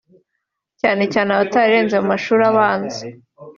cyane cyane abatararenze mu mashuri abanza